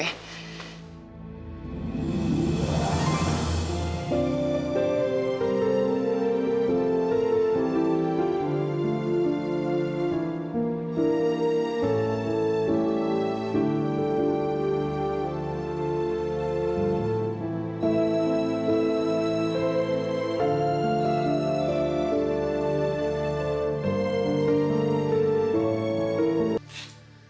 aku mau pergi